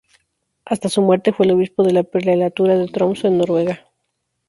Hasta su muerte fue el obispo de la Prelatura de Tromsø, en Noruega.